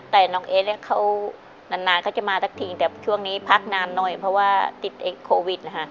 แต่น้องเอ๊เนี่ยเขานานเขาจะมาสักทีแต่ช่วงนี้พักนานหน่อยเพราะว่าติดโควิดนะคะ